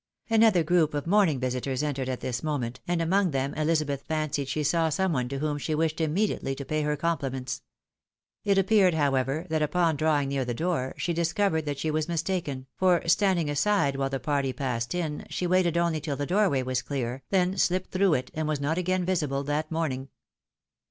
Another group of morning visitors entered at this moment, and among them Elizabeth fancied she saw some one to whom she wished immediately to pay her compliments. It appeared, however, that upon drawing near the door, she discovered that she was mistaken, for standing aside while the party passed in, she waited only till the doorway was clear, then sHpped through it, and was not again visible that morning.